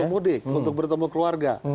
mudik untuk bertemu keluarga